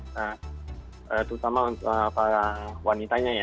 nah terutama untuk para wanitanya ya